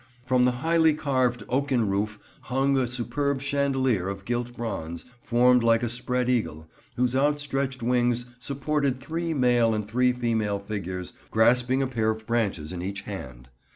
From the highly carved oaken roof hung a superb chandelier of gilt bronze, formed like a spread eagle, whose outstretched wings supported three male and three female figures, grasping a pair of branches in each hand.